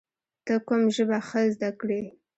ته کوم ژبه ښه زده کړې؟